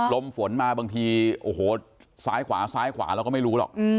ลมฝนมาบางทีโอ้โหซ้ายขวาซ้ายขวาเราก็ไม่รู้หรอก